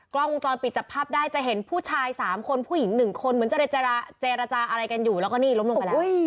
กล้องวงจรปิดจับภาพได้จะเห็นผู้ชาย๓คนผู้หญิง๑คนเหมือนจะได้เจรจาอะไรกันอยู่แล้วก็นี่ล้มลงไปแล้ว